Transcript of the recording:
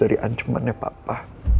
jangan cuman ya papa